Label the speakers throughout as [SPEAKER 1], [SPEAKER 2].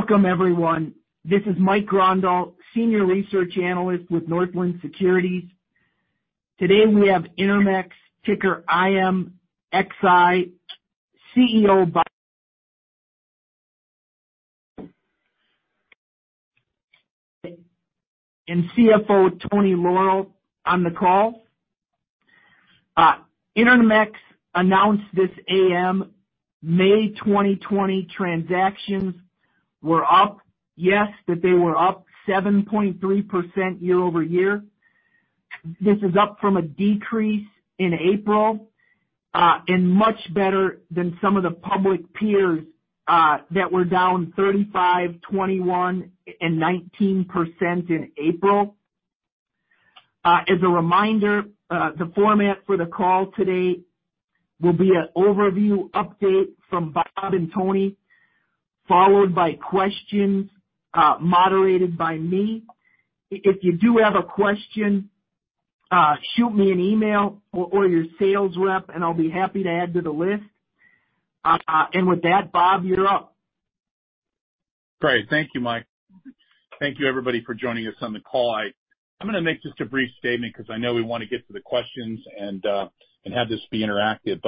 [SPEAKER 1] Welcome everyone. This is Mike Grondahl, Senior Research Analyst with Northland Securities. Today we have Intermex, ticker IMXI, CEO Bob and CFO Tony Lauro on the call. Intermex announced this AM, May 2020 transactions were up. Yes, that they were up 7.3% year-over-year. This is up from a decrease in April, and much better than some of the public peers that were down 35%, 21%, and 19% in April. As a reminder, the format for the call today will be an overview update from Bob and Tony, followed by questions moderated by me. If you do have a question, shoot me an email or your sales rep and I'll be happy to add to the list. With that, Bob, you're up.
[SPEAKER 2] Great. Thank you, Mike. Thank you everybody for joining us on the call. I'm going to make just a brief statement because I know we want to get to the questions and have this be interactive.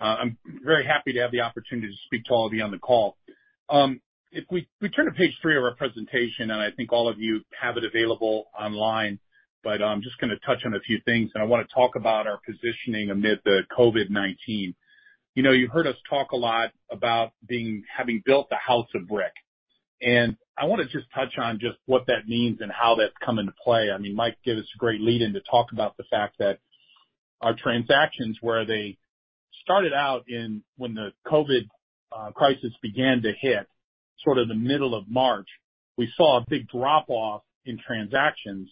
[SPEAKER 2] I'm very happy to have the opportunity to speak to all of you on the call. If we turn to page three of our presentation, I think all of you have it available online, I'm just going to touch on a few things, I want to talk about our positioning amid the COVID-19. You've heard us talk a lot about having built a house of brick, I want to just touch on just what that means and how that's come into play. Mike gave us a great lead-in to talk about the fact that our transactions where they started out when the COVID crisis began to hit, sort of the middle of March. We saw a big drop-off in transactions.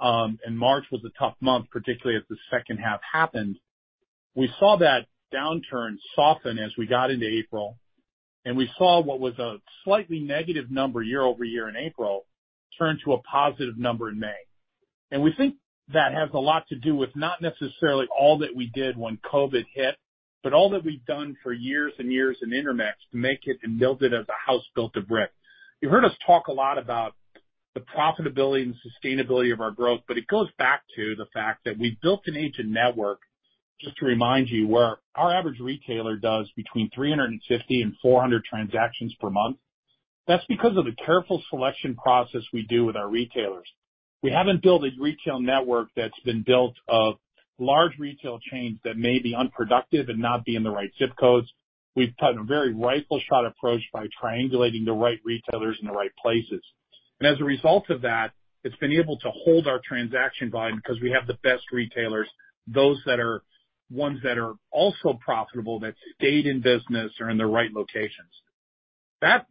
[SPEAKER 2] March was a tough month, particularly as the second half happened. We saw that downturn soften as we got into April. We saw what was a slightly negative number year-over-year in April turn to a positive number in May. We think that has a lot to do with not necessarily all that we did when COVID hit, but all that we've done for years and years in Intermex to make it and build it as a house built of brick. You've heard us talk a lot about the profitability and sustainability of our growth, but it goes back to the fact that we've built an agent network, just to remind you, where our average retailer does between 350 and 400 transactions per month. That's because of the careful selection process we do with our retailers. We haven't built a retail network that's been built of large retail chains that may be unproductive and not be in the right zip codes. We've taken a very rifle shot approach by triangulating the right retailers in the right places. As a result of that, it's been able to hold our transaction volume because we have the best retailers, ones that are also profitable, that stayed in business or in the right locations. That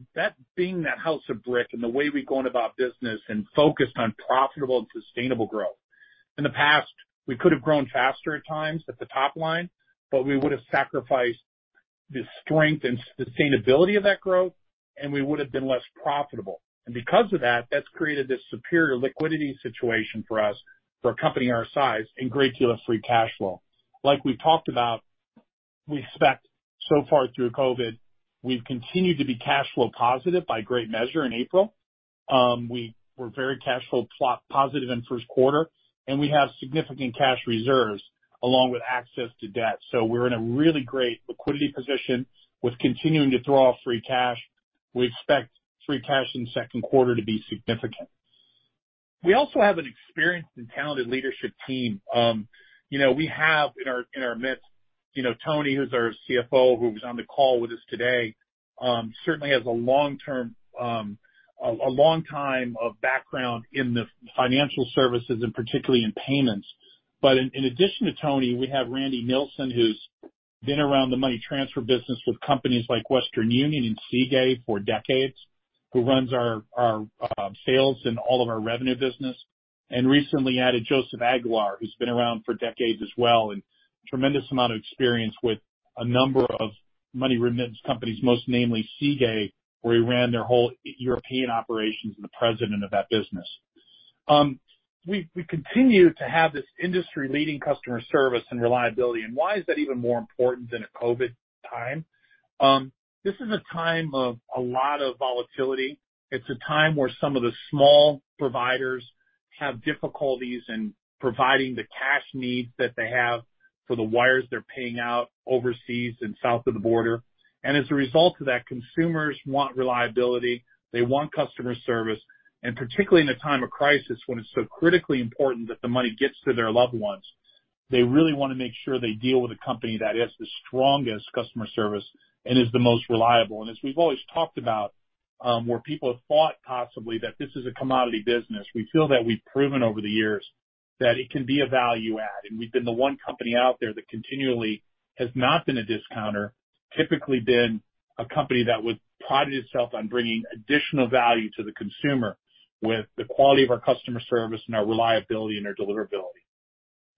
[SPEAKER 2] being that house of brick and the way we've gone about business and focused on profitable and sustainable growth. In the past, we could have grown faster at times at the top line, but we would have sacrificed the strength and sustainability of that growth, and we would have been less profitable. Because of that's created this superior liquidity situation for us for a company our size, and great deal of free cash flow. Like we've talked about, we expect so far through COVID-19, we've continued to be cash flow positive by great measure in April. We were very cash flow positive in first quarter, and we have significant cash reserves along with access to debt. We're in a really great liquidity position with continuing to throw off free cash. We expect free cash in the second quarter to be significant. We also have an experienced and talented leadership team. We have in our midst, Tony, who's our CFO, who's on the call with us today certainly has a long time of background in the financial services and particularly in payments. In addition to Tony, we have Randy Nilsen, who's been around the money transfer business with companies like Western Union and Sigue for decades, who runs our sales in all of our revenue business, and recently added Joseph Aguilar, who's been around for decades as well, and tremendous amount of experience with a number of money remittance companies, most namely Sigue, where he ran their whole European operations and the president of that business. We continue to have this industry-leading customer service and reliability. Why is that even more important than a COVID time? This is a time of a lot of volatility. It's a time where some of the small providers have difficulties in providing the cash needs that they have for the wires they're paying out overseas and south of the border. As a result of that, consumers want reliability, they want customer service, and particularly in a time of crisis when it's so critically important that the money gets to their loved ones. They really want to make sure they deal with a company that has the strongest customer service and is the most reliable. As we've always talked about, where people have thought possibly that this is a commodity business, we feel that we've proven over the years that it can be a value add. We've been the one company out there that continually has not been a discounter, typically been a company that would prided itself on bringing additional value to the consumer with the quality of our customer service and our reliability and our deliverability.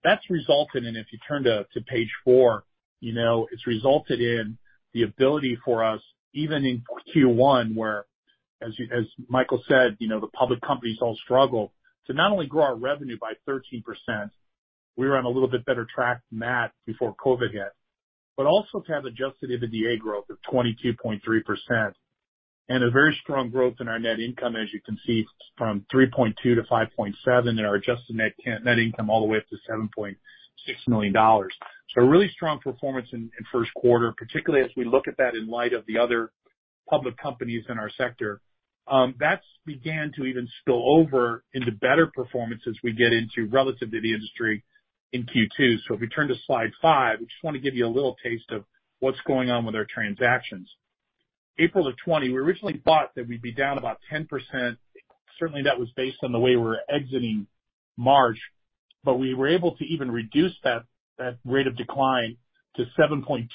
[SPEAKER 2] That's resulted in, if you turn to page four, it's resulted in the ability for us, even in Q1, where, as Mike said, the public companies all struggle to not only grow our revenue by 13%, we were on a little bit better track than that before COVID-19 hit. Also to have adjusted EBITDA growth of 22.3% and a very strong growth in our net income, as you can see, from $3.2 million to $5.7 million in our adjusted net income, all the way up to $7.6 million. Really strong performance in first quarter, particularly as we look at that in light of the other public companies in our sector. That's began to even spill over into better performance as we get into relative to the industry in Q2. If we turn to slide five, we just want to give you a little taste of what's going on with our transactions. April of 2020, we originally thought that we'd be down about 10%. Certainly, that was based on the way we were exiting March, but we were able to even reduce that rate of decline to 7.2%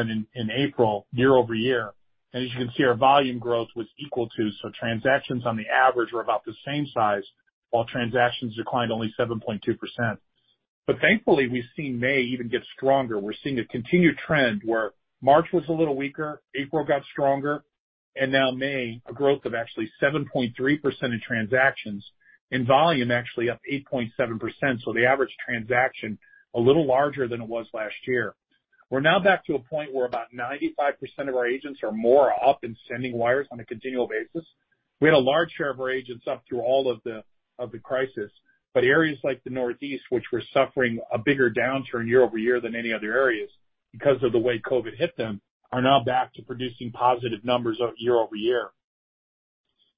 [SPEAKER 2] in April year-over-year. As you can see, our volume growth was equal to, so transactions on the average were about the same size while transactions declined only 7.2%. Thankfully, we've seen May even get stronger. We're seeing a continued trend where March was a little weaker, April got stronger, and now May, a growth of actually 7.3% in transactions, in volume, actually up 8.7%. The average transaction, a little larger than it was last year. We're now back to a point where about 95% of our agents or more are up and sending wires on a continual basis. We had a large share of our agents up through all of the crisis, but areas like the Northeast, which were suffering a bigger downturn year-over-year than any other areas because of the way COVID-19 hit them, are now back to producing positive numbers year-over-year.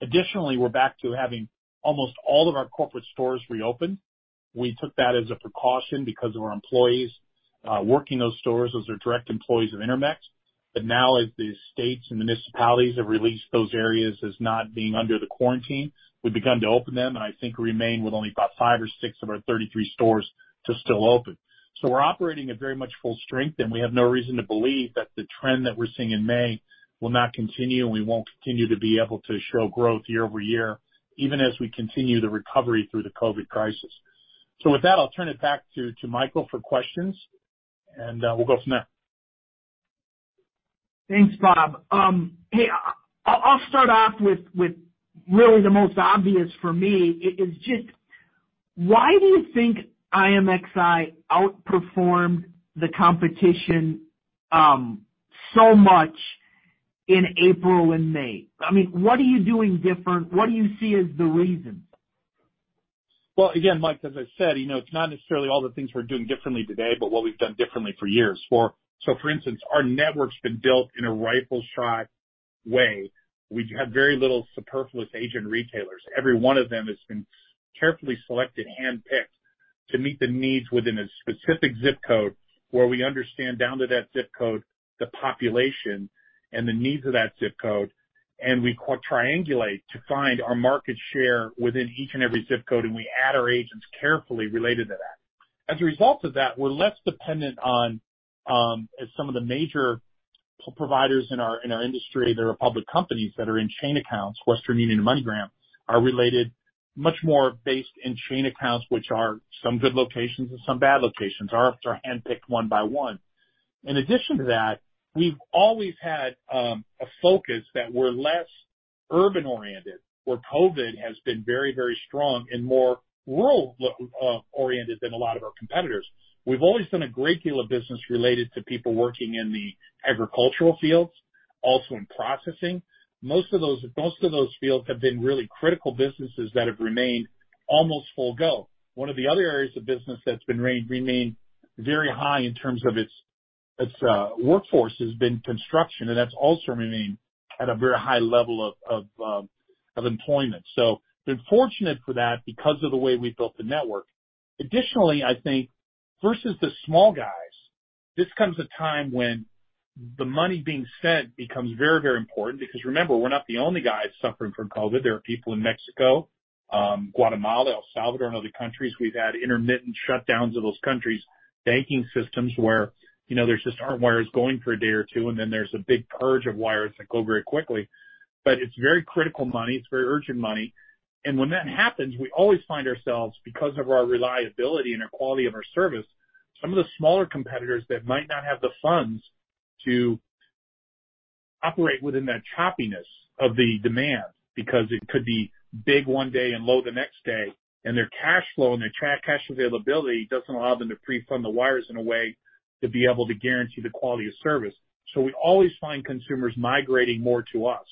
[SPEAKER 2] Additionally, we're back to having almost all of our corporate stores reopened. We took that as a precaution because of our employees working those stores as they're direct employees of Intermex. Now as the states and municipalities have released those areas as not being under the quarantine, we've begun to open them and I think remain with only about five or six of our 33 stores to still open. We're operating at very much full strength, and we have no reason to believe that the trend that we're seeing in May will not continue, and we won't continue to be able to show growth year-over-year, even as we continue the recovery through the COVID-19 crisis. With that, I'll turn it back to Michael for questions. We'll go from there.
[SPEAKER 1] Thanks, Bob. Hey, I'll start off with really the most obvious for me. It is just why do you think IMXI outperformed the competition so much in April and May? What are you doing different? What do you see as the reason?
[SPEAKER 2] Well, again, Mike, as I said, it's not necessarily all the things we're doing differently today, but what we've done differently for years. For instance, our network's been built in a rifle shot way. We have very little superfluous agent retailers. Every one of them has been carefully selected, handpicked to meet the needs within a specific zip code where we understand down to that zip code, the population and the needs of that zip code. We triangulate to find our market share within each and every zip code, and we add our agents carefully related to that. As a result of that, we're less dependent on, as some of the major providers in our industry that are public companies that are in chain accounts, Western Union and MoneyGram, are related much more based in chain accounts which are some good locations and some bad locations. Ours are handpicked one by one. In addition to that, we've always had a focus that we're less urban-oriented where COVID has been very, very strong and more rural-oriented than a lot of our competitors. We've always done a great deal of business related to people working in the agricultural fields, also in processing. Most of those fields have been really critical businesses that have remained almost full go. One of the other areas of business that's remained very high in terms of its workforce has been construction. That's also remained at a very high level of employment. Been fortunate for that because of the way we've built the network. Additionally, I think versus the small guys, this comes a time when the money being sent becomes very, very important because remember, we're not the only guys suffering from COVID. There are people in Mexico, Guatemala, El Salvador, and other countries. We've had intermittent shutdowns of those countries' banking systems where there just aren't wires going for a day or two, and then there's a big purge of wires that go very quickly. It's very critical money. It's very urgent money. When that happens, we always find ourselves, because of our reliability and our quality of our service, some of the smaller competitors that might not have the funds to operate within that choppiness of the demand because it could be big one day and low the next day, and their cash flow and their cash availability doesn't allow them to pre-fund the wires in a way to be able to guarantee the quality of service. We always find consumers migrating more to us.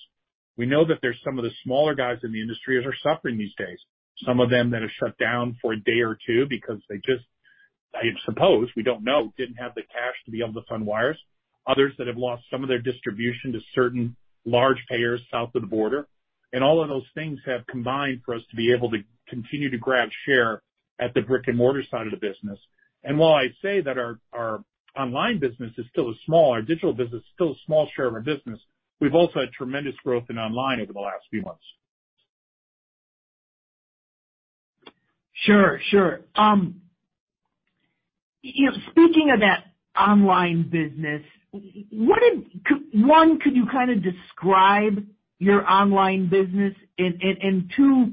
[SPEAKER 2] We know that there's some of the smaller guys in the industry are suffering these days. Some of them that have shut down for a day or two because they just, I suppose, we don't know, didn't have the cash to be able to fund wires. Others that have lost some of their distribution to certain large payers south of the border. All of those things have combined for us to be able to continue to grab share at the brick-and-mortar side of the business. While I say that our online business is still a small, our digital business is still a small share of our business, we've also had tremendous growth in online over the last few months.
[SPEAKER 1] Sure. Speaking of that online business, one, could you kind of describe your online business? Two,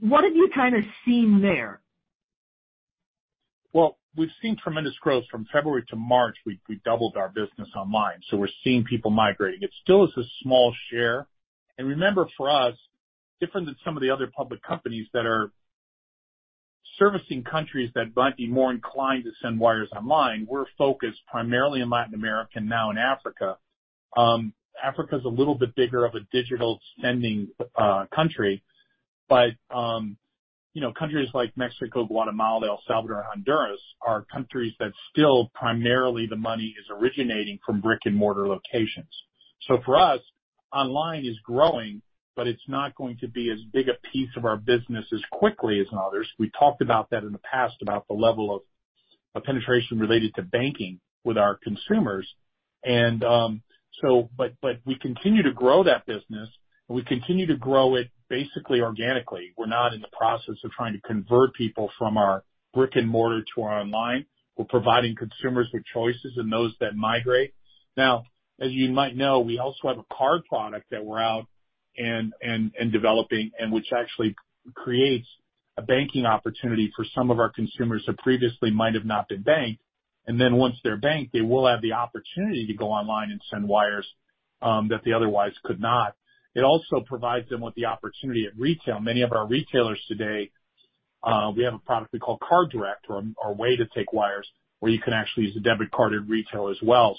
[SPEAKER 1] what have you kind of seen there?
[SPEAKER 2] Well, we've seen tremendous growth from February to March. We doubled our business online. We're seeing people migrating. It still is a small share. Remember for us, different than some of the other public companies that are servicing countries that might be more inclined to send wires online. We're focused primarily in Latin America, now in Africa. Africa is a little bit bigger of a digital sending country. Countries like Mexico, Guatemala, El Salvador, and Honduras are countries that still primarily the money is originating from brick-and-mortar locations. For us, online is growing, but it's not going to be as big a piece of our business as quickly as others. We talked about that in the past about the level of penetration related to banking with our consumers. We continue to grow that business. We continue to grow it basically organically. We're not in the process of trying to convert people from our brick-and-mortar to our online. We're providing consumers with choices and those that migrate. As you might know, we also have a card product that we're out and developing, and which actually creates a banking opportunity for some of our consumers that previously might have not been banked. Once they're banked, they will have the opportunity to go online and send wires that they otherwise could not. It also provides them with the opportunity at retail. Many of our retailers today, we have a product we call Card Direct or a way to take wires where you can actually use a debit card at retail as well.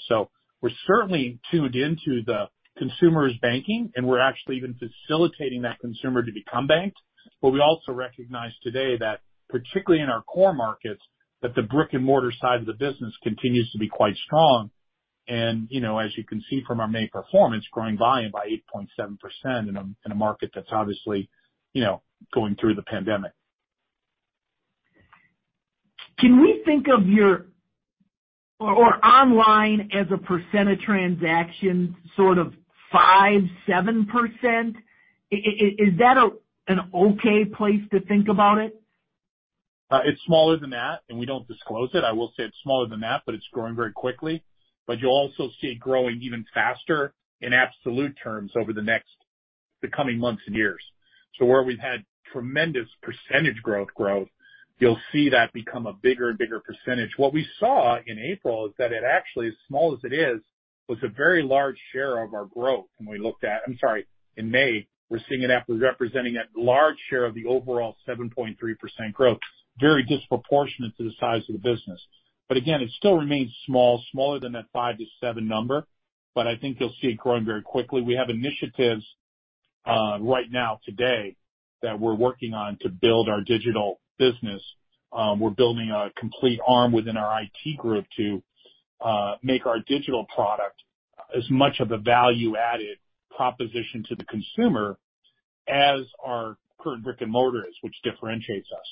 [SPEAKER 2] We're certainly tuned into the consumer's banking, and we're actually even facilitating that consumer to become banked. We also recognize today that, particularly in our core markets, that the brick-and-mortar side of the business continues to be quite strong. As you can see from our May performance, growing volume by 8.7% in a market that's obviously going through the pandemic.
[SPEAKER 1] Can we think of or online as a percent of transactions, sort of 5%, 7%? Is that an okay place to think about it?
[SPEAKER 2] It's smaller than that, and we don't disclose it. I will say it's smaller than that, but it's growing very quickly. You'll also see it growing even faster in absolute terms over the next coming months and years. Where we've had tremendous percentage growth, you'll see that become a bigger and bigger percentage. What we saw in April is that it actually, as small as it is, was a very large share of our growth when we looked at, I'm sorry, in May. We're seeing it representing a large share of the overall 7.3% growth, very disproportionate to the size of the business. Again, it still remains small, smaller than that five to seven number, but I think you'll see it growing very quickly. We have initiatives right now today that we're working on to build our digital business. We're building a complete arm within our IT group to make our digital product as much of a value-added proposition to the consumer as our current brick-and-mortar is, which differentiates us.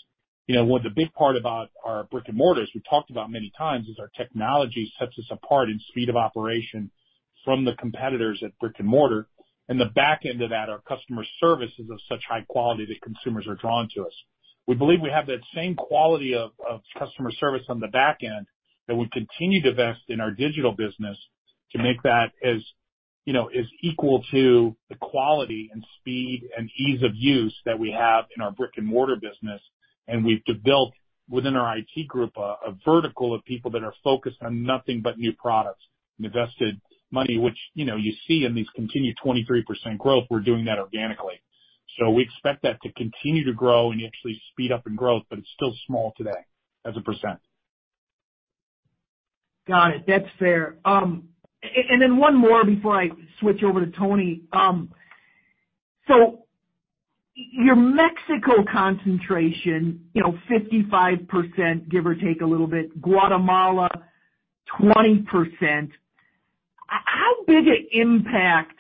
[SPEAKER 2] What the big part about our brick-and-mortar is, we've talked about many times, is our technology sets us apart in speed of operation from the competitors at brick-and-mortar. In the back end of that, our customer service is of such high quality that consumers are drawn to us. We believe we have that same quality of customer service on the back end that we continue to vest in our digital business to make that as equal to the quality and speed and ease of use that we have in our brick-and-mortar business. We've built within our IT group a vertical of people that are focused on nothing but new products and invested money, which you see in these continued 23% growth. We're doing that organically. We expect that to continue to grow and actually speed up in growth, but it's still small today as a percent.
[SPEAKER 1] Got it. That's fair. Then one more before I switch over to Tony. Your Mexico concentration, 55%, give or take a little bit, Guatemala 20%. How big an impact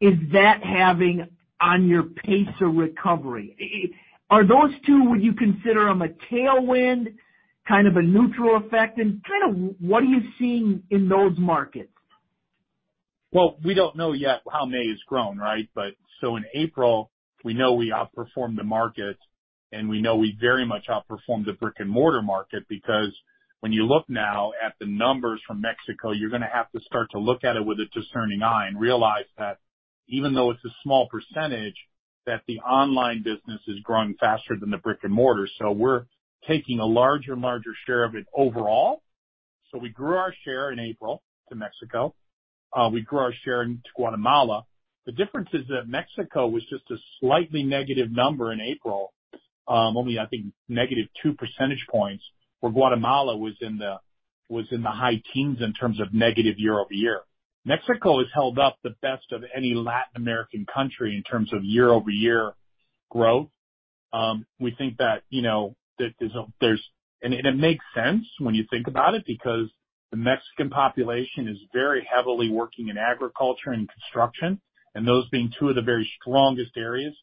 [SPEAKER 1] is that having on your pace of recovery? Are those two, would you consider them a tailwind, kind of a neutral effect? Kind of what are you seeing in those markets?
[SPEAKER 2] Well, we don't know yet how May has grown, right? In April, we know we outperformed the market, and we know we very much outperformed the brick-and-mortar market because when you look now at the numbers from Mexico, you're going to have to start to look at it with a discerning eye and realize that even though it's a small percentage, that the online business is growing faster than the brick-and-mortar. We're taking a larger share of it overall. We grew our share in April to Mexico. We grew our share into Guatemala. The difference is that Mexico was just a slightly negative number in April. Only, I think, negative 2 percentage. Where Guatemala was in the high teens in terms of negative year-over-year. Mexico has held up the best of any Latin American country in terms of year-over-year growth. We think that it makes sense when you think about it because the Mexican population is very heavily working in agriculture and construction, those being two of the very strongest areas.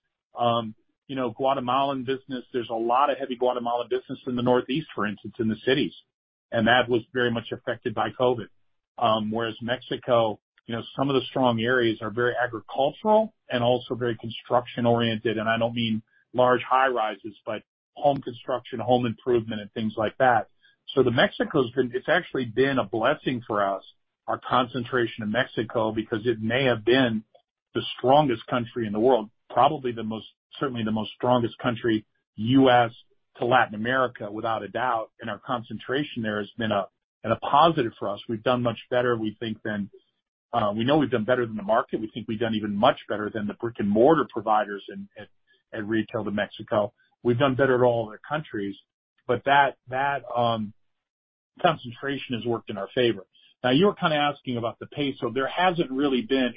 [SPEAKER 2] Guatemalan business, there's a lot of heavy Guatemalan business in the northeast, for instance, in the cities, that was very much affected by COVID. Whereas Mexico, some of the strong areas are very agricultural and also very construction oriented. I don't mean large high rises, but home construction, home improvement, and things like that. Mexico's actually been a blessing for us, our concentration in Mexico, because it may have been the strongest country in the world, probably the most, certainly the strongest country, U.S. to Latin America, without a doubt. Our concentration there has been a positive for us. We've done much better, we think, we know we've done better than the market. We think we've done even much better than the brick-and-mortar providers at Retail to Mexico. We've done better at all other countries, but that concentration has worked in our favor. You were kind of asking about the peso.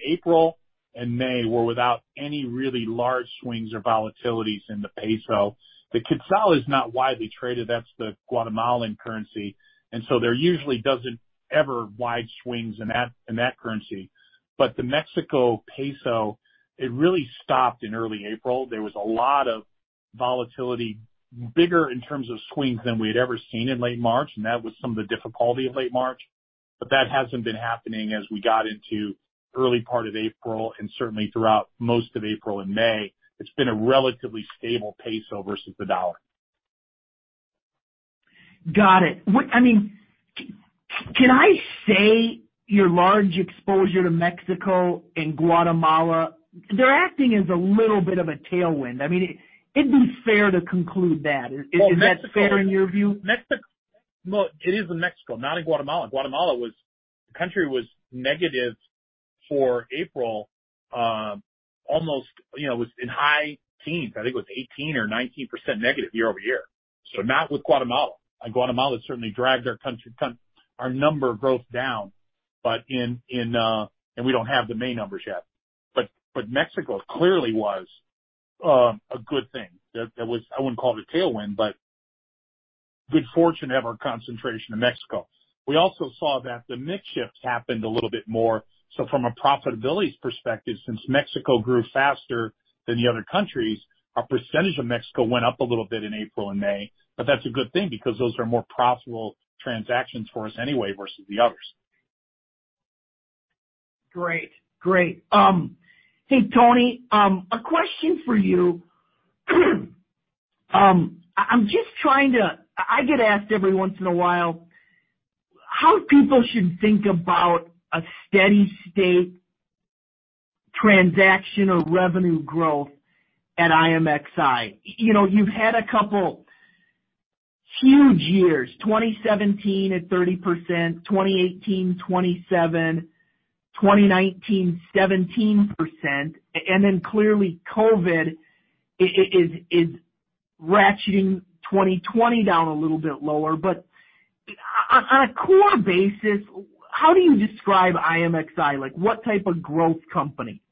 [SPEAKER 2] April and May were without any really large swings or volatilities in the peso. The quetzal is not widely traded. That's the Guatemalan currency. There usually doesn't ever wide swings in that currency. The Mexico peso, it really stopped in early April. There was a lot of volatility, bigger in terms of swings than we had ever seen in late March, and that was some of the difficulty of late March. That hasn't been happening as we got into early part of April and certainly throughout most of April and May. It's been a relatively stable peso versus the U.S. dollar.
[SPEAKER 1] Got it. Can I say your large exposure to Mexico and Guatemala, they're acting as a little bit of a tailwind? It'd be fair to conclude that. Is that fair in your view?
[SPEAKER 2] Well, it is in Mexico, not in Guatemala. Guatemala was, the country was negative for April. Almost was in high teens. I think it was 18% or 19% negative year-over-year. Not with Guatemala. Guatemala certainly dragged our number growth down, and we don't have the main numbers yet. Mexico clearly was a good thing. I wouldn't call it a tailwind, but good fortune to have our concentration in Mexico. We also saw that the mix shifts happened a little bit more. From a profitability perspective, since Mexico grew faster than the other countries, our percentage of Mexico went up a little bit in April and May. That's a good thing because those are more profitable transactions for us anyway versus the others.
[SPEAKER 1] Great. Hey, Tony, a question for you. I get asked every once in a while how people should think about a steady state transaction of revenue growth at IMXI. You've had a couple huge years, 2017 at 30%, 2018, 27%, 2019, 17%. Clearly COVID is ratcheting 2020 down a little bit lower. On a core basis, how do you describe IMXI? Like what type of growth company?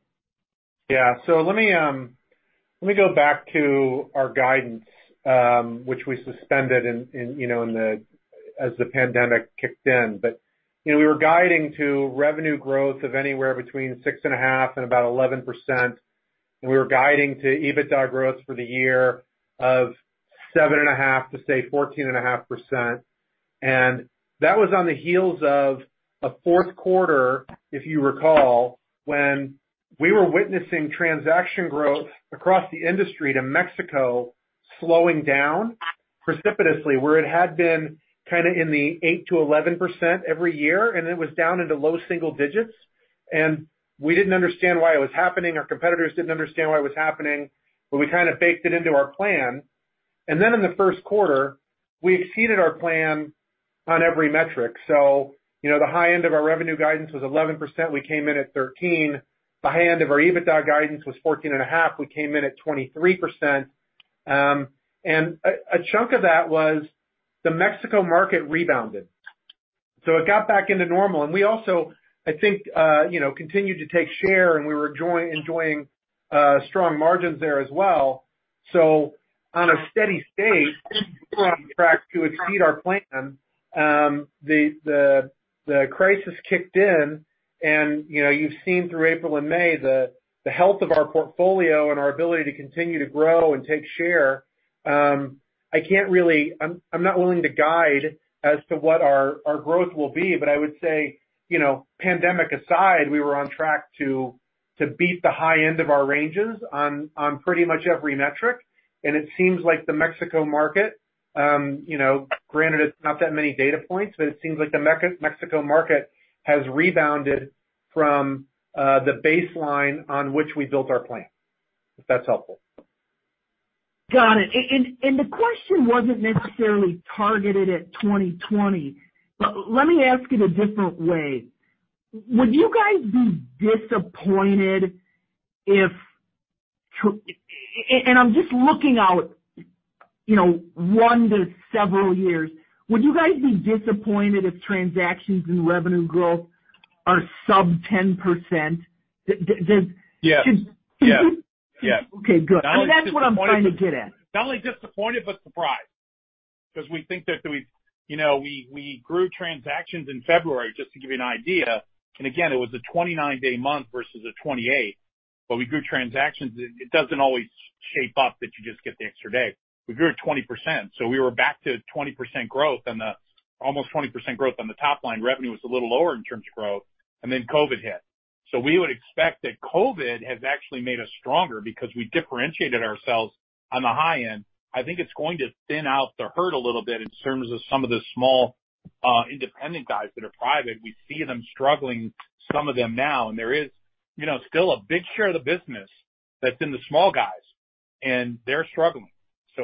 [SPEAKER 3] Yeah. Let me go back to our guidance, which we suspended as the COVID-19 pandemic kicked in. We were guiding to revenue growth of anywhere between 6.5% and about 11%, and we were guiding to EBITDA growth for the year of 7.5% to, say, 14.5%. That was on the heels of a fourth quarter, if you recall, when we were witnessing transaction growth across the industry to Mexico slowing down precipitously, where it had been kind of in the 8%-11% every year, and it was down into low single digits. We didn't understand why it was happening. Our competitors didn't understand why it was happening, we kind of baked it into our plan. In the first quarter, we exceeded our plan on every metric. The high end of our revenue guidance was 11%. We came in at 13%. The high end of our EBITDA guidance was 14.5%. We came in at 23%. A chunk of that was the Mexico market rebounded. It got back into normal. We also, I think, continued to take share and we were enjoying strong margins there as well. On a steady state, we were on track to exceed our plan. The crisis kicked in and you've seen through April and May the health of our portfolio and our ability to continue to grow and take share. I'm not willing to guide as to what our growth will be, but I would say, pandemic aside, we were on track to beat the high end of our ranges on pretty much every metric. It seems like the Mexico market, granted it is not that many data points, but it seems like the Mexico market has rebounded from the baseline on which we built our plan, if that is helpful.
[SPEAKER 1] Got it. The question wasn't necessarily targeted at 2020, but let me ask it a different way. I'm just looking out one to several years. Would you guys be disappointed if transactions and revenue growth are sub 10%?
[SPEAKER 3] Yes.
[SPEAKER 1] Okay, good. That's what I'm trying to get at.
[SPEAKER 2] Not only disappointed but surprised because we think that we grew transactions in February, just to give you an idea. Again, it was a 29-day month versus a 28, but we grew transactions. It doesn't always shape up that you just get the extra day. We grew at 20%. We were back to 20% growth and almost 20% growth on the top line. Revenue was a little lower in terms of growth. Then COVID hit. We would expect that COVID has actually made us stronger because we differentiated ourselves on the high end. I think it's going to thin out the herd a little bit in terms of some of the small independent guys that are private. We see them struggling, some of them now. There is still a big share of the business that's in the small guys. They're struggling.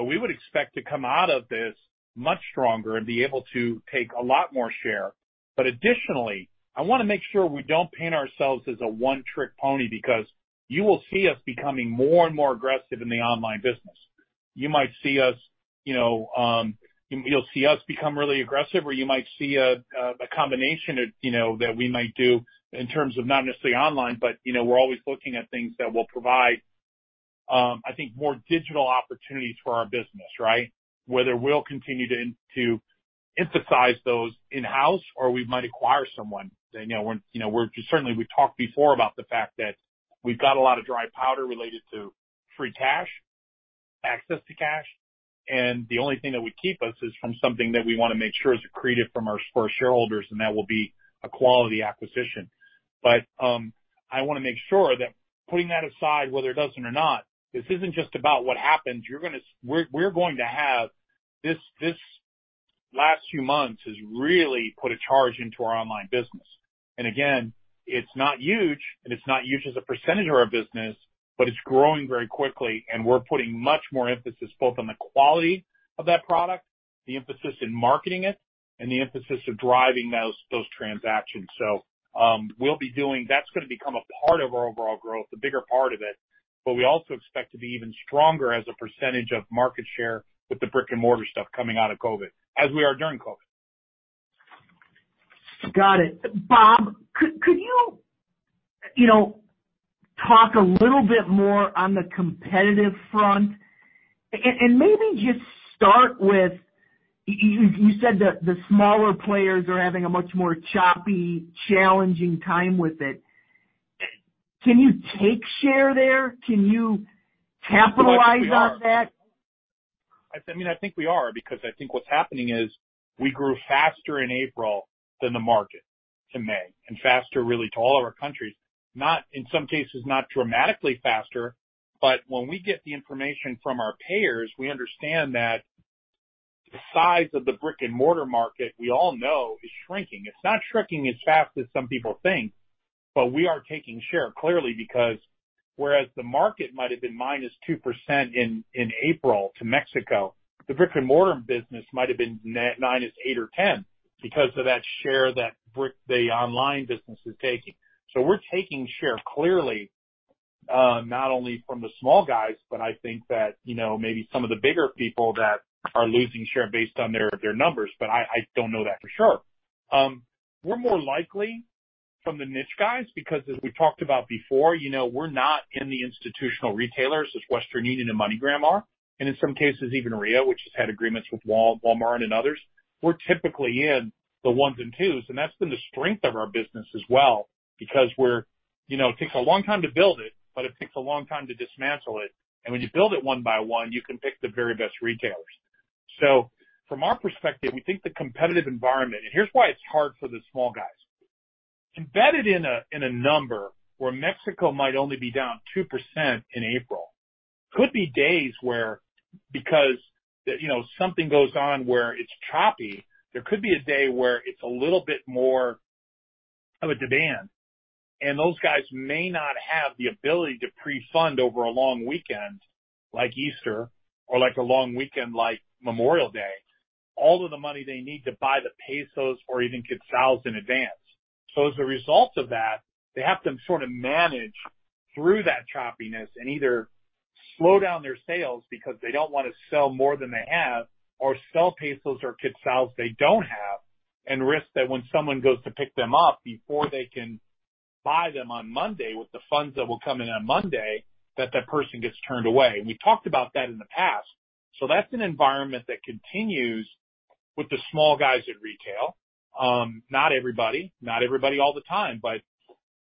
[SPEAKER 2] We would expect to come out of this much stronger and be able to take a lot more share. Additionally, I want to make sure we don't paint ourselves as a one-trick pony, because you will see us becoming more and more aggressive in the online business. You'll see us become really aggressive, or you might see a combination that we might do in terms of not necessarily online, but we're always looking at things that will provide, I think, more digital opportunities for our business, right? Whether we'll continue to emphasize those in-house or we might acquire someone. Certainly, we've talked before about the fact that we've got a lot of dry powder related to free cash, access to cash, and the only thing that would keep us is from something that we want to make sure is accretive for our shareholders, and that will be a quality acquisition. I want to make sure that putting that aside, whether it does it or not, this isn't just about what happens. These last few months has really put a charge into our online business. Again, it's not huge, and it's not huge as a percentage of our business, but it's growing very quickly and we're putting much more emphasis both on the quality of that product, the emphasis in marketing it, and the emphasis of driving those transactions. That's going to become a part of our overall growth, a bigger part of it, but we also expect to be even stronger as a percentage of market share with the brick-and-mortar stuff coming out of COVID, as we are during COVID.
[SPEAKER 1] Got it. Bob, could you talk a little bit more on the competitive front and maybe just start with, you said the smaller players are having a much more choppy, challenging time with it. Can you take share there? Can you capitalize on that?
[SPEAKER 2] I think we are because I think what's happening is we grew faster in April than the market to May, and faster really to all of our countries. In some cases, not dramatically faster, but when we get the information from our payers, we understand that the size of the brick-and-mortar market, we all know, is shrinking. It's not shrinking as fast as some people think, but we are taking share, clearly, because whereas the market might have been -2% in April to Mexico, the brick-and-mortar business might have been -8% or -10% because of that share that the online business is taking. We're taking share clearly, not only from the small guys, but I think that maybe some of the bigger people that are losing share based on their numbers, but I don't know that for sure. We're more likely from the niche guys, because as we talked about before, we're not in the institutional retailers as Western Union and MoneyGram are, and in some cases, even Ria, which has had agreements with Walmart and others. We're typically in the ones and twos. That's been the strength of our business as well, because it takes a long time to build it, but it takes a long time to dismantle it. When you build it one by one, you can pick the very best retailers. From our perspective, we think the competitive environment. Here's why it's hard for the small guys. Embedded in a number where Mexico might only be down 2% in April, could be days where because something goes on where it's choppy, there could be a day where it's a little bit more of a demand, and those guys may not have the ability to pre-fund over a long weekend, like Easter, or a long weekend like Memorial Day, all of the money they need to buy the pesos or even quetzals in advance. As a result of that, they have to sort of manage through that choppiness and either slow down their sales because they don't want to sell more than they have, or sell pesos or quetzals they don't have, and risk that when someone goes to pick them up before they can buy them on Monday with the funds that will come in on Monday, that that person gets turned away. We've talked about that in the past. That's an environment that continues with the small guys at retail. Not everybody, not everybody all the time, but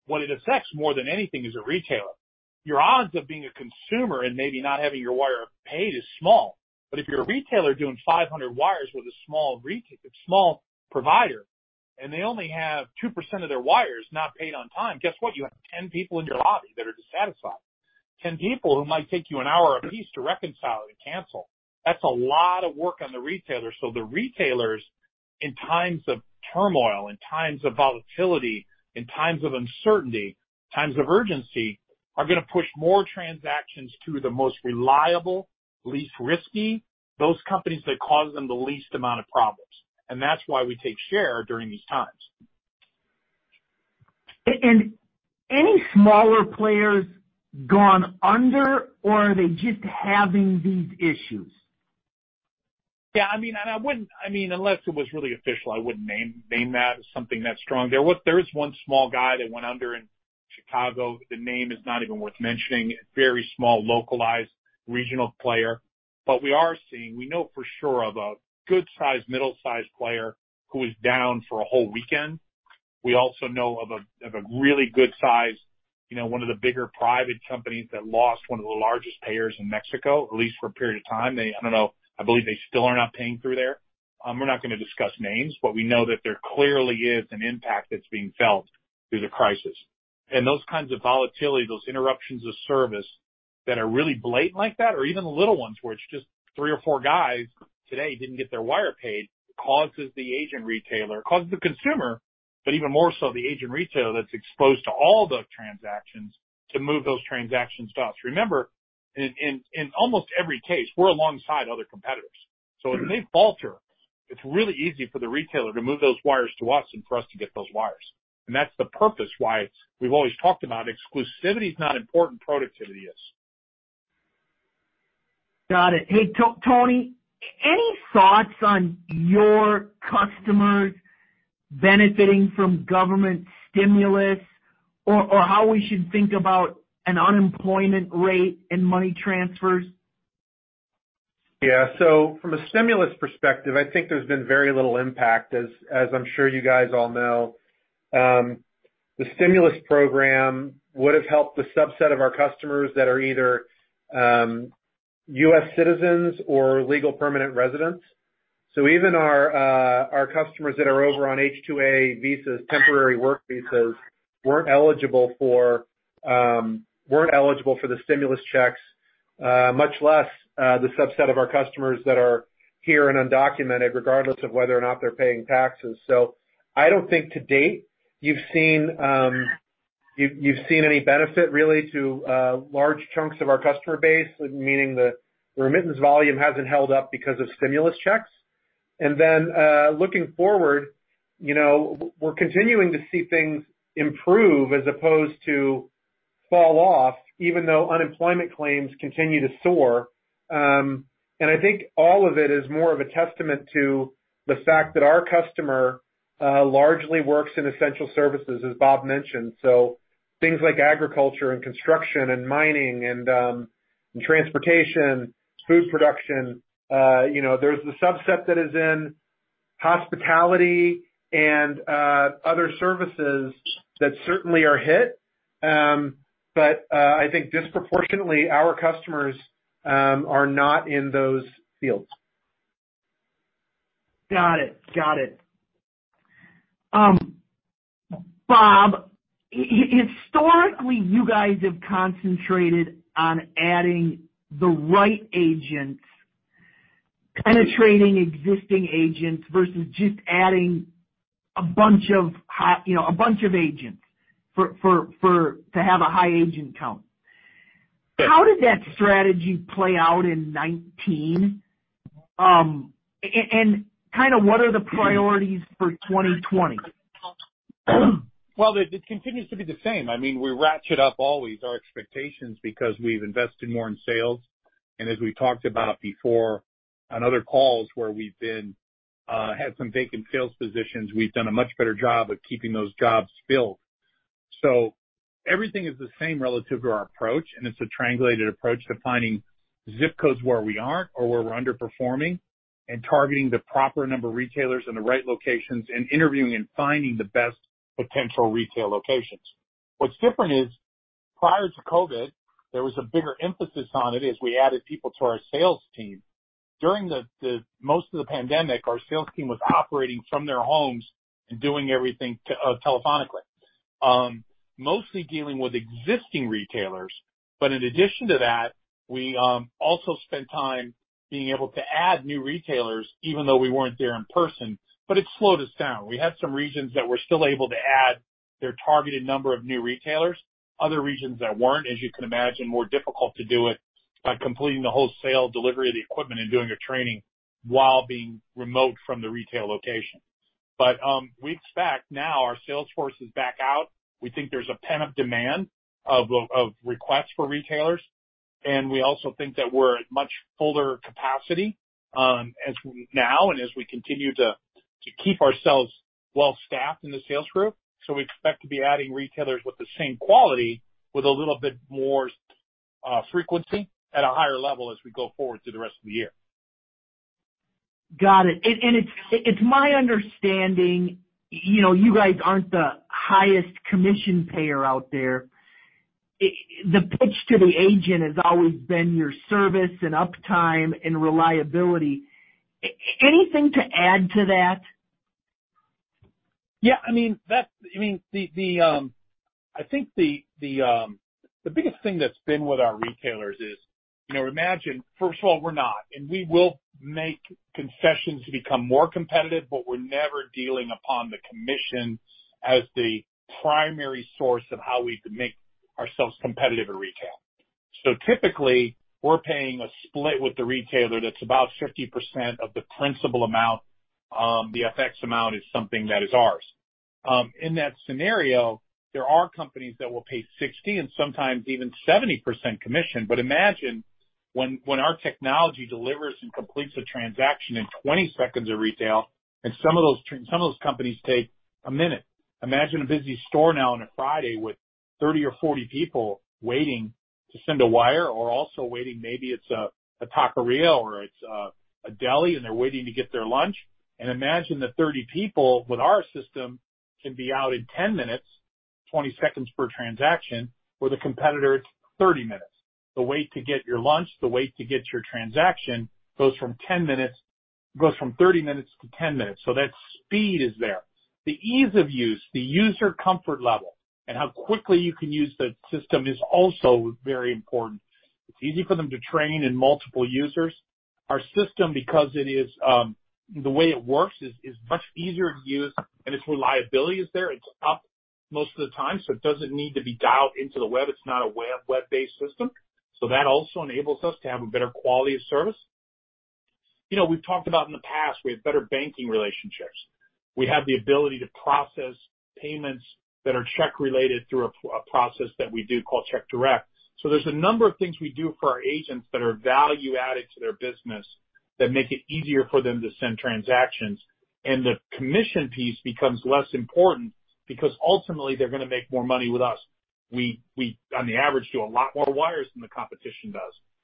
[SPEAKER 2] what it affects more than anything is a retailer. Your odds of being a consumer and maybe not having your wire paid is small. If you're a retailer doing 500 wires with a small provider and they only have 2% of their wires not paid on time, guess what? You have 10 people in your lobby that are dissatisfied. 10 people who might take you an hour a piece to reconcile and cancel. That's a lot of work on the retailer. The retailers, in times of turmoil, in times of volatility, in times of uncertainty, times of urgency, are going to push more transactions to the most reliable, least risky, those companies that cause them the least amount of problems. That's why we take share during these times.
[SPEAKER 1] Any smaller players gone under, or are they just having these issues?
[SPEAKER 2] Yeah. Unless it was really official, I wouldn't name that as something that strong. There is one small guy that went under in Chicago. The name is not even worth mentioning. Very small, localized, regional player. We are seeing, we know for sure of a good size, middle-sized player who was down for a whole weekend. We also know of a really good size, one of the bigger private companies that lost one of the largest payers in Mexico, at least for a period of time. I don't know. I believe they still are not paying through there. We're not going to discuss names, but we know that there clearly is an impact that's being felt through the crisis. Those kinds of volatility, those interruptions of service that are really blatant like that, or even the little ones where it's just three or four guys today didn't get their wire paid, causes the agent retailer. Even more so, the agent retailer that's exposed to all the transactions to move those transactions to us. Remember, in almost every case, we're alongside other competitors. When they falter, it's really easy for the retailer to move those wires to us and for us to get those wires. That's the purpose why we've always talked about exclusivity is not important, productivity is.
[SPEAKER 1] Got it. Hey, Tony, any thoughts on your customers benefiting from government stimulus or how we should think about an unemployment rate and money transfers?
[SPEAKER 3] Yeah. From a stimulus perspective, I think there's been very little impact, as I'm sure you guys all know. The stimulus program would've helped the subset of our customers that are either U.S. citizens or legal permanent residents. Even our customers that are over on H-2A visas, temporary work visas, weren't eligible for the stimulus checks much less the subset of our customers that are here and undocumented regardless of whether or not they're paying taxes. I don't think to date you've seen any benefit really to large chunks of our customer base, meaning the remittance volume hasn't held up because of Stimulus Checks. Looking forward, we're continuing to see things improve as opposed to fall off, even though unemployment claims continue to soar. I think all of it is more of a testament to the fact that our customer largely works in essential services, as Bob mentioned. Things like agriculture and construction and mining and transportation, food production. There's the subset that is in hospitality and other services that certainly are hit. I think disproportionately, our customers are not in those fields.
[SPEAKER 1] Got it. Bob, historically, you guys have concentrated on adding the right agents, penetrating existing agents versus just adding a bunch of agents to have a high agent count. How did that strategy play out in 2019? What are the priorities for 2020?
[SPEAKER 2] Well, it continues to be the same. We ratchet up always our expectations because we've invested more in sales. As we've talked about before on other calls where we've had some vacant sales positions, we've done a much better job of keeping those jobs filled. Everything is the same relative to our approach, and it's a triangulated approach to finding zip codes where we aren't or where we're underperforming and targeting the proper number of retailers in the right locations and interviewing and finding the best potential retail locations. What's different is, prior to COVID-19, there was a bigger emphasis on it as we added people to our sales team. During most of the pandemic, our sales team was operating from their homes and doing everything telephonically, mostly dealing with existing retailers. In addition to that, we also spent time being able to add new retailers, even though we weren't there in person, but it slowed us down. We had some regions that were still able to add their targeted number of new retailers. Other regions that weren't, as you can imagine, more difficult to do it by completing the wholesale delivery of the equipment and doing a training while being remote from the retail location. We expect now our sales force is back out. We think there's a pent-up demand of requests for retailers, and we also think that we're at much fuller capacity now and as we continue to keep ourselves well-staffed in the sales group. We expect to be adding retailers with the same quality with a little bit more frequency at a higher level as we go forward through the rest of the year.
[SPEAKER 1] Got it. It's my understanding, you guys aren't the highest commission payer out there. The pitch to the agent has always been your service and uptime and reliability. Anything to add to that?
[SPEAKER 2] Yeah. I think the biggest thing that's been with our retailers is, first of all, we're not, and we will make concessions to become more competitive, but we're never dealing upon the commission as the primary source of how we make ourselves competitive at retail. Typically, we're paying a split with the retailer that's about 50% of the principal amount. The FX amount is something that is ours. In that scenario, there are companies that will pay 60% and sometimes even 70% commission. Imagine when our technology delivers and completes a transaction in 20 seconds at retail, and some of those companies take a minute. Imagine a busy store now on a Friday with 30 or 40 people waiting to send a wire or also waiting, maybe it's a Taqueria or it's a deli and they're waiting to get their lunch. Imagine that 30 people with our system can be out in 10 minutes, 20 seconds per transaction, with a competitor, it's 30 minutes. The wait to get your lunch, the wait to get your transaction goes from 30 minutes to 10 minutes. That speed is there. The ease of use, the user comfort level, and how quickly you can use the system is also very important. It's easy for them to train in multiple users. Our system, because the way it works is much easier to use and its reliability is there. It's up most of the time, so it doesn't need to be dialed into the web. It's not a web-based system. That also enables us to have a better quality of service. We've talked about in the past, we have better banking relationships. We have the ability to process payments that are check-related through a process that we do call Check Direct. There's a number of things we do for our agents that are value added to their business that make it easier for them to send transactions. The commission piece becomes less important because ultimately they're going to make more money with us. We, on the average, do a lot more wires than the competition does.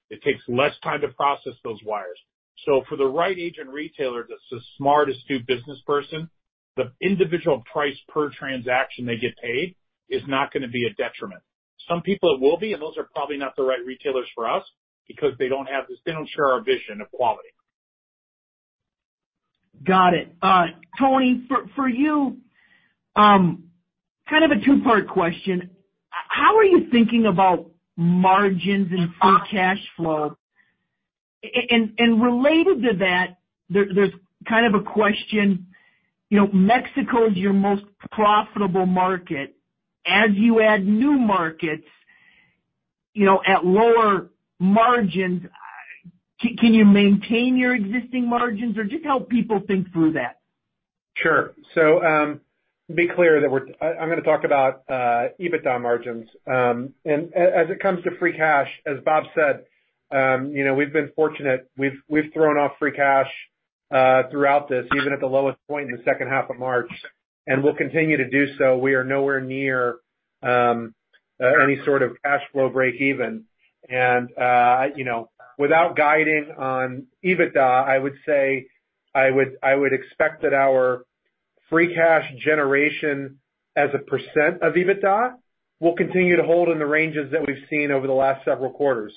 [SPEAKER 2] It takes less time to process those wires. For the right agent retailer that's a smart, astute businessperson, the individual price per transaction they get paid is not going to be a detriment. Some people it will be, and those are probably not the right retailers for us because they don't share our vision of quality.
[SPEAKER 1] Got it. Tony, for you, kind of a two-part question. How are you thinking about margins and free cash flow? Related to that, there's kind of a question, Mexico is your most profitable market. As you add new markets at lower margins, can you maintain your existing margins? Just help people think through that.
[SPEAKER 3] Sure. To be clear, I'm going to talk about EBITDA margins. As it comes to free cash, as Bob said, we've been fortunate. We've thrown off free cash throughout this, even at the lowest point in the second half of March, we'll continue to do so. We are nowhere near any sort of cash flow breakeven. Without guiding on EBITDA, I would say I would expect that our free cash generation as a % of EBITDA will continue to hold in the ranges that we've seen over the last several quarters.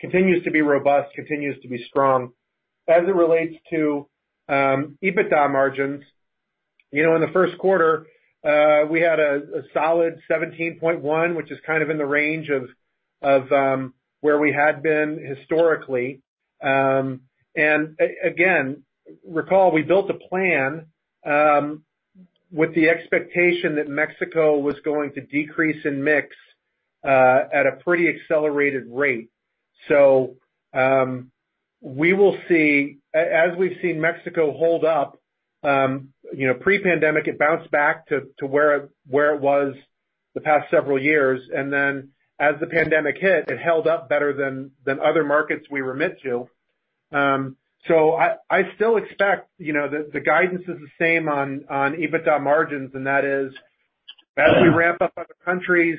[SPEAKER 3] Continues to be robust, continues to be strong. As it relates to EBITDA margins, in the first quarter, we had a solid 17.1%, which is kind of in the range of where we had been historically. Again, recall we built a plan with the expectation that Mexico was going to decrease in mix at a pretty accelerated rate. We will see, as we've seen Mexico hold up, pre-pandemic it bounced back to where it was the past several years, and then as the pandemic hit, it held up better than other markets we remit to. I still expect the guidance is the same on EBITDA margins, and that is as we ramp up other countries,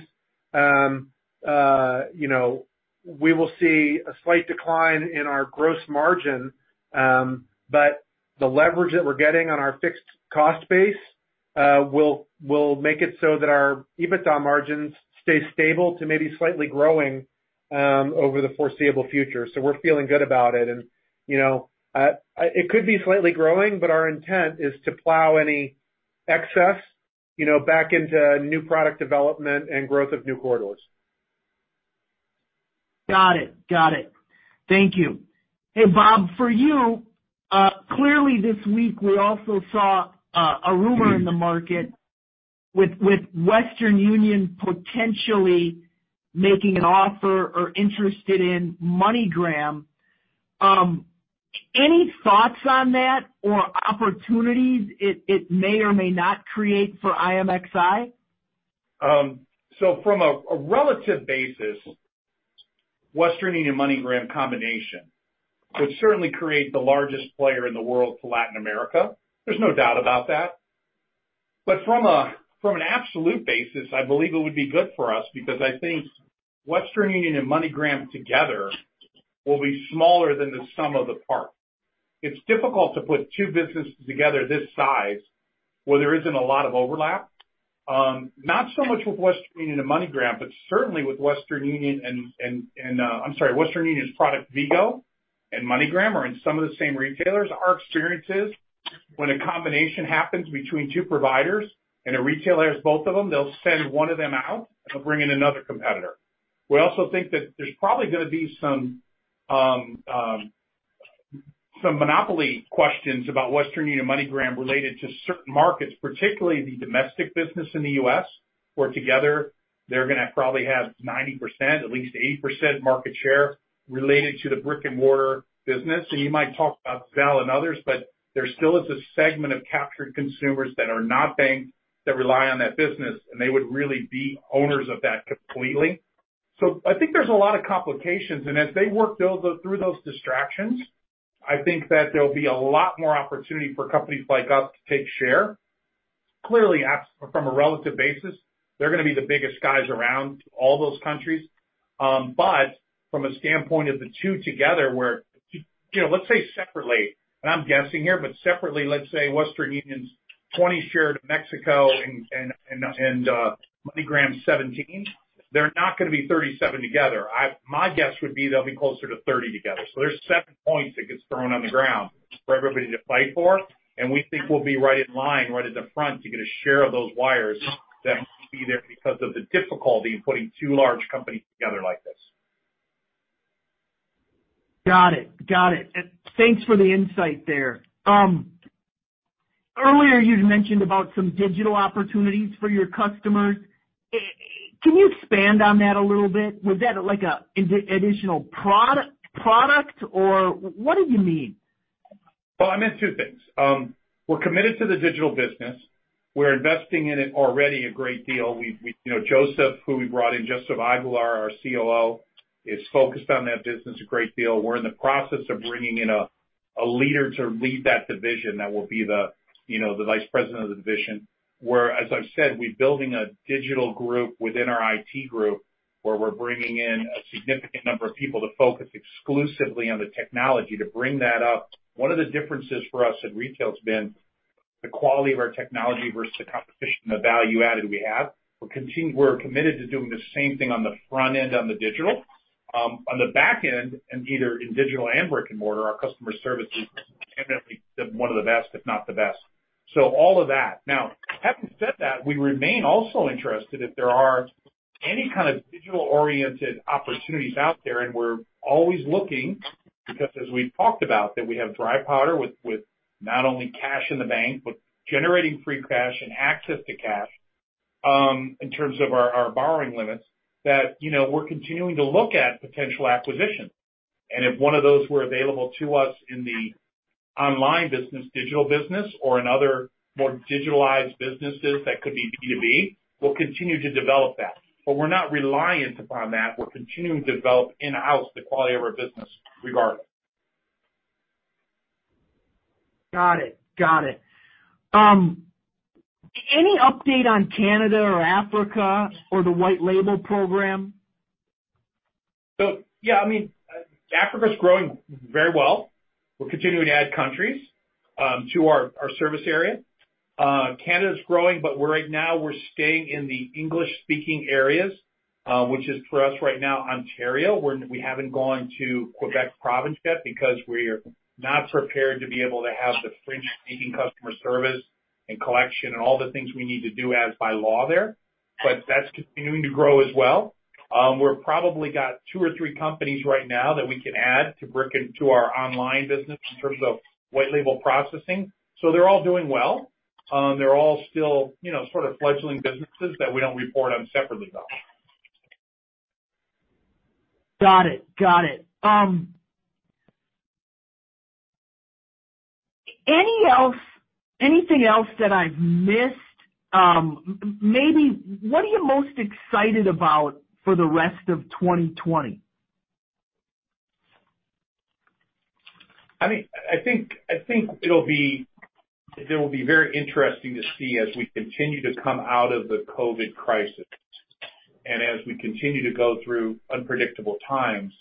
[SPEAKER 3] we will see a slight decline in our gross margin. The leverage that we're getting on our fixed cost base will make it so that our EBITDA margins stay stable to maybe slightly growing over the foreseeable future. We're feeling good about it. It could be slightly growing, but our intent is to plow any excess back into new product development and growth of new corridors.
[SPEAKER 1] Got it. Thank you. Hey, Bob, for you, clearly this week we also saw a rumor in the market with Western Union potentially making an offer or interested in MoneyGram. Any thoughts on that or opportunities it may or may not create for IMXI?
[SPEAKER 2] From a relative basis, Western Union-MoneyGram combination would certainly create the largest player in the world for Latin America. There's no doubt about that. From an absolute basis, I believe it would be good for us because I think Western Union and MoneyGram together will be smaller than the sum of the parts. It's difficult to put two businesses together this size where there isn't a lot of overlap. Not so much with Western Union and MoneyGram, but certainly with Western Union's product, Vigo, and MoneyGram are in some of the same retailers. Our experience is when a combination happens between two providers and a retailer has both of them, they'll send one of them out and they'll bring in another competitor. We also think that there's probably going to be some monopoly questions about Western Union-MoneyGram related to certain markets, particularly the domestic business in the U.S., where together they're going to probably have 90%, at least 80% market share related to the brick-and-mortar business. You might talk about Zelle and others, but there still is a segment of captured consumers that are not banked that rely on that business, and they would really be owners of that completely. I think there's a lot of complications, and as they work through those distractions, I think that there'll be a lot more opportunity for companies like us to take share. Clearly, from a relative basis, they're going to be the biggest guys around to all those countries. From a standpoint of the two together where let's say separately, and I'm guessing here, but separately, let's say Western Union's 20% share to Mexico and MoneyGram's 17%, they're not going to be 37% together. My guess would be they'll be closer to 30% together. There's seven points that gets thrown on the ground. For everybody to fight for. We think we'll be right in line, right at the front to get a share of those wires that will be there because of the difficulty in putting two large companies together like this.
[SPEAKER 1] Got it. Thanks for the insight there. Earlier you'd mentioned about some digital opportunities for your customers. Can you expand on that a little bit? Was that like an additional product, or what did you mean?
[SPEAKER 2] Well, I meant two things. We're committed to the digital business. We're investing in it already a great deal. Joseph, who we brought in, Joseph Aguilar, our COO, is focused on that business a great deal. We're in the process of bringing in a leader to lead that division, that will be the vice president of the division. As I've said, we're building a digital group within our IT group, where we're bringing in a significant number of people to focus exclusively on the technology to bring that up. One of the differences for us in retail has been the quality of our technology versus the competition and the value add that we have. We're committed to doing the same thing on the front end on the digital. On the back end, either in digital and brick and mortar, our customer service is legitimately one of the best, if not the best. All of that. Now, having said that, we remain also interested if there are any kind of digital-oriented opportunities out there. We're always looking because as we've talked about, that we have dry powder with not only cash in the bank, but generating free cash and access to cash, in terms of our borrowing limits, that we're continuing to look at potential acquisitions. If one of those were available to us in the online business, digital business, or in other more digitalized businesses, that could be B2B, we'll continue to develop that. We're not reliant upon that. We're continuing to develop in-house the quality of our business regardless.
[SPEAKER 1] Got it. Any update on Canada or Africa or the white label program?
[SPEAKER 2] Yeah, Africa's growing very well. We're continuing to add countries to our service area. Canada's growing, but right now we're staying in the English-speaking areas, which is for us right now, Ontario. We haven't gone to Quebec province yet because we're not prepared to be able to have the French-speaking customer service and collection and all the things we need to do as by law there. That's continuing to grow as well. We've probably got two or three companies right now that we can add to our online business in terms of white label processing. They're all doing well. They're all still fledgling businesses that we don't report on separately, though.
[SPEAKER 1] Got it. Anything else that I've missed? What are you most excited about for the rest of 2020?
[SPEAKER 2] I think it'll be very interesting to see as we continue to come out of the COVID-19 crisis and as we continue to go through unpredictable times.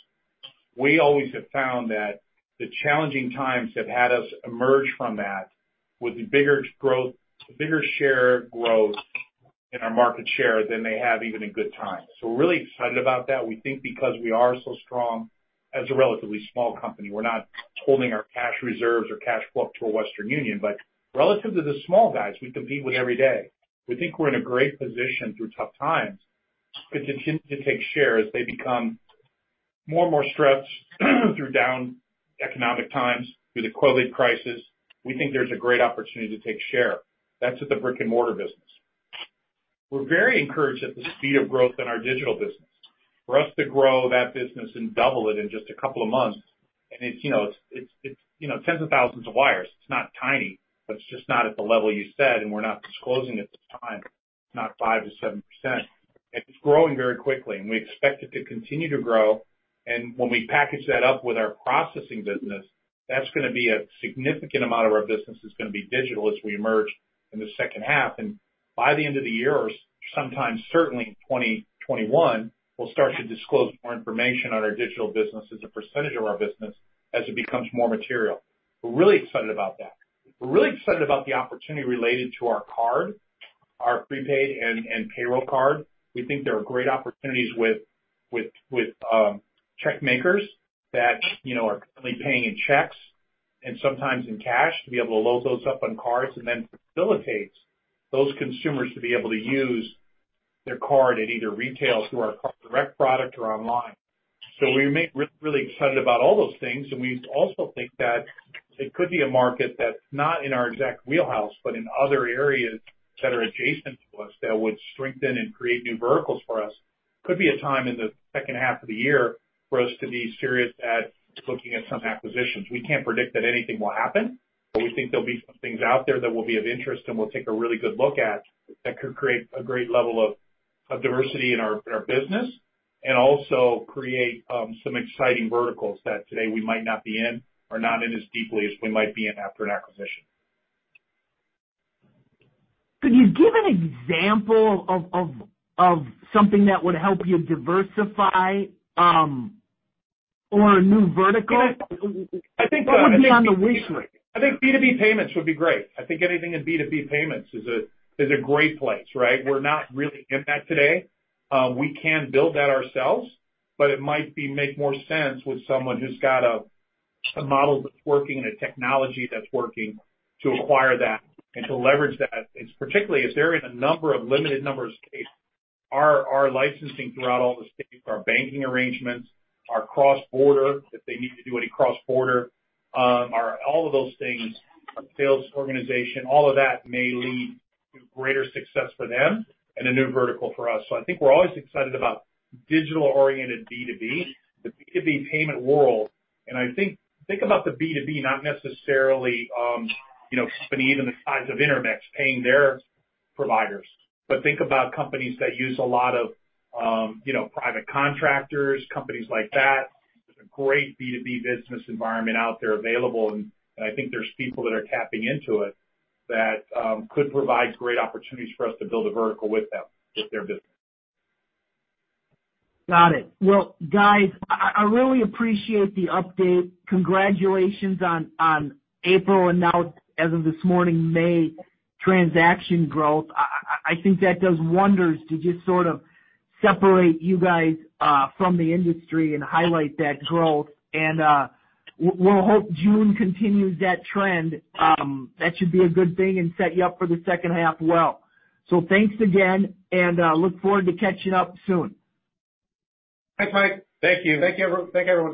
[SPEAKER 2] We always have found that the challenging times have had us emerge from that with bigger share growth in our market share than they have even in good times. We're really excited about that. We think because we are so strong as a relatively small company, we're not holding our cash reserves or cash flow up to a Western Union, but relative to the small guys we compete with every day, we think we're in a great position through tough times to continue to take share as they become more and more stressed through down economic times, through the COVID-19 crisis. We think there's a great opportunity to take share. That's with the brick and mortar business. We're very encouraged at the speed of growth in our digital business. For us to grow that business and double it in just a couple of months, and it's tens of thousands of wires. It's not tiny, but it's just not at the level you said, and we're not disclosing it this time, not 5%-7%. It's growing very quickly, and we expect it to continue to grow. When we package that up with our processing business, that's going to be a significant amount of our business is going to be digital as we emerge in the second half. By the end of the year, or sometime certainly in 2021, we'll start to disclose more information on our digital business as a percentage of our business as it becomes more material. We're really excited about that. We're really excited about the opportunity related to our card, our prepaid and payroll card. We think there are great opportunities with check makers that are currently paying in checks and sometimes in cash to be able to load those up on cards and then facilitates those consumers to be able to use their card at either retail through our Card Direct product or online. We're really excited about all those things, and we also think that it could be a market that's not in our exact wheelhouse, but in other areas that are adjacent to us that would strengthen and create new verticals for us. Could be a time in the second half of the year for us to be serious at looking at some acquisitions. We can't predict that anything will happen, but we think there'll be some things out there that will be of interest and we'll take a really good look at that could create a great level of diversity in our business and also create some exciting verticals that today we might not be in or not in as deeply as we might be in after an acquisition.
[SPEAKER 1] Could you give an example of something that would help you diversify or a new vertical?
[SPEAKER 2] I think-
[SPEAKER 1] What would be on the wish list?
[SPEAKER 2] I think B2B payments would be great. I think anything in B2B payments is a great place, right? We're not really in that today. We can build that ourselves, but it might make more sense with someone who's got a model that's working and a technology that's working to acquire that and to leverage that. Particularly as they're in a number of limited numbers of states. Our licensing throughout all the states, our banking arrangements, our cross-border, if they need to do any cross-border, all of those things, our sales organization, all of that may lead to greater success for them and a new vertical for us. I think we're always excited about digital-oriented B2B, the B2B payment world. I think about the B2B, not necessarily companies even the size of Intermex paying their providers, but think about companies that use a lot of private contractors, companies like that. There's a great B2B business environment out there available, I think there's people that are tapping into it that could provide great opportunities for us to build a vertical with them with their business.
[SPEAKER 1] Got it. Well, guys, I really appreciate the update. Congratulations on April and now as of this morning, May transaction growth. I think that does wonders to just sort of separate you guys from the industry and highlight that growth. We'll hope June continues that trend. That should be a good thing and set you up for the second half well. Thanks again and look forward to catching up soon.
[SPEAKER 2] Thanks, Mike.
[SPEAKER 3] Thank you.
[SPEAKER 2] Thank you, everyone.